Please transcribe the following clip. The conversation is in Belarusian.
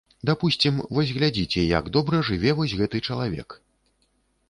Дапусцім, вось глядзіце, як добра жыве вось гэты чалавек.